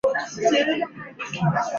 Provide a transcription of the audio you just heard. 杜伊人口变化图示